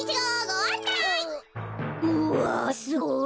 うわすごい。